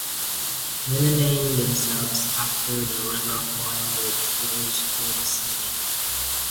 Many name themselves after the River Foyle, which flows through the city.